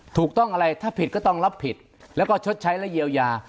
ถูกต้องอะไรถ้าผิดก็ต้องรับผิดแล้วก็ชดใช้และเยียวยา